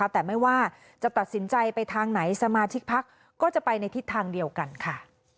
แต่ไม่ว่าจะตัดสินใจไปทางไหนสมาชิกพักก็จะไปในทิศทางเดียวกันค่ะ